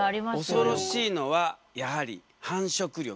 恐ろしいのはやはり繁殖力。